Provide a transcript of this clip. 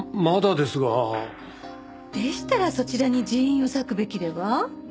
でしたらそちらに人員を割くべきでは？